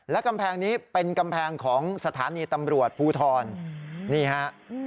และกำแพงนี้เป็นกำแพงของสถานีตำรวจภูทรนี่ฮะ